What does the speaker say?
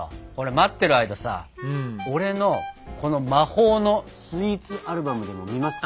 待ってる間さ俺のこの魔法のスイーツアルバムでも見ますか？